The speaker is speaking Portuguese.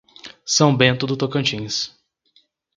São Bento do Tocantins